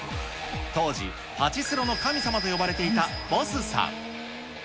当時、パチスロの神様といわれていたＢＯＳＳさん。